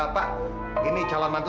pak ini calon mantu